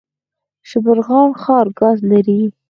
شبرغان ښار ګاز لري؟